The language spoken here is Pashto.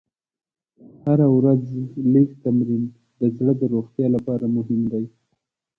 هره ورځ لږ تمرین د زړه د روغتیا لپاره مهم دی.